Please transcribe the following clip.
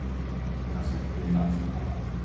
C’est un solide gaillard, cependant !